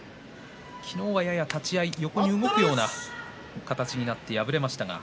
昨日は、やや立ち合い横に動くような形になって敗れました。